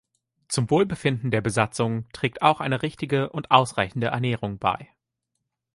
Zum Wohlbefinden der Besatzung trägt auch eine richtige und ausreichende Ernährung bei.